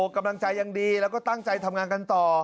กำลังใจยังดีแล้วก็ตั้งใจทำงานกันต่อ